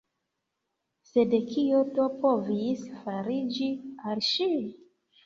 Sed kio do povis fariĝi al ŝi?